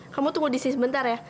kamu tunggu di sini sebentar ya